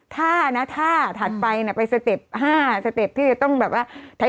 ถ้านะถ้าถัดไปไปสเต็ป๕สเต็ปที่จะต้องแบบว่า